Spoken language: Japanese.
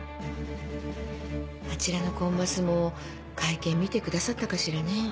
あちらのコンマスも会見見てくださったかしらね？